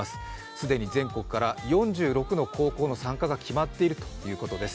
既に全国から４６の高校の参加が決まっているということです。